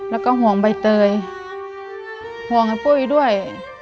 แล้วก็ห่วงใบเตยห่วงให้พ่ออีกด้วย